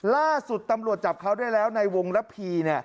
ล่าสุดตำรวจจับเขาได้แล้วในวงระพี